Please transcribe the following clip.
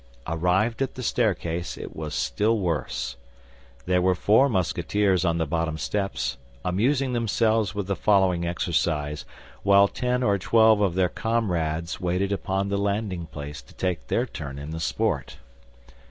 Arrived at the staircase, it was still worse. There were four Musketeers on the bottom steps, amusing themselves with the following exercise, while ten or twelve of their comrades waited upon the landing place to take their turn in the sport.